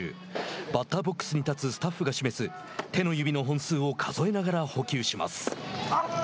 バッターボックスに立つスタッフが示す手の指の本数を数えながら捕球します。